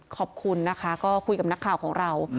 ขอบคุณนะคะก็คุยกับนักข่าวของเรา